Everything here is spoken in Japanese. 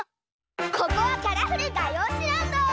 ここはカラフルがようしランド！